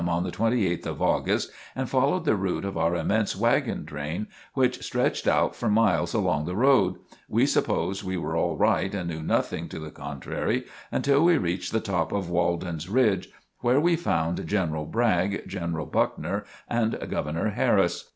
on the 28th of August, and following the route of our immense wagon train, which stretched out for miles along the road, we supposed we were all right and knew nothing to the contrary until we reached the top of Walden's Ridge where we found General Bragg, General Buckner and Governor Harris.